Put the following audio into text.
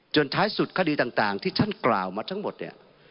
ท้ายสุดคดีต่างที่ท่านกล่าวมาทั้งหมดเนี่ย